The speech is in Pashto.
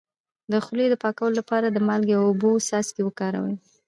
د خولې د پاکوالي لپاره د مالګې او اوبو څاڅکي وکاروئ